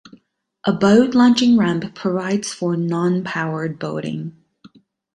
A boat launching ramp provides for non-powered boating.